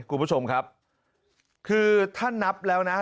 คุณผู้ชมครับคือถ้านับแล้วนะ